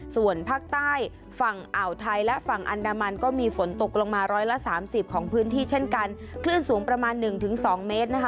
ส่วนภาคใต้ฝั่งอ่าวไทยและฝั่งอันดามันก็มีฝนตกลงมาร้อยละสามสิบของพื้นที่เช่นกันคลื่นสูงประมาณหนึ่งถึงสองเมตรนะคะ